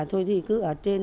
thôi thì cứ ở trên